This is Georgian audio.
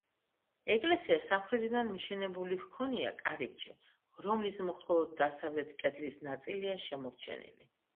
ეკლესიას სამხრეთიდან მიშენებული ჰქონია კარიბჭე, რომლის მხოლოდ დასავლეთ კედლის ნაწილია შემორჩენილი.